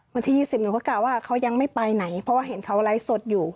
วันที่๒๐หนูก็กล่าวว่าเขายังไม่ไปไหนเพราะว่าเห็นเขาไลฟ์สดอยู่